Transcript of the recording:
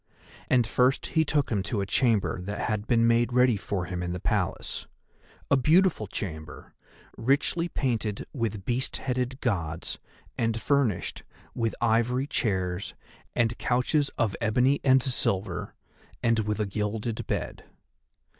And first he took him to a chamber that had been made ready for him in the Palace, a beautiful chamber, richly painted with beast headed Gods and furnished with ivory chairs, and couches of ebony and silver, and with a gilded bed.